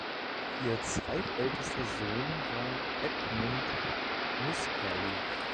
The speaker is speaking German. Ihr zweitältester Sohn war Edmund Nüsperli.